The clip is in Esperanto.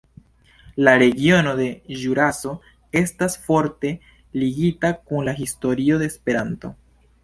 La regiono de Ĵuraso estas forte ligita kun la historio de Esperanto.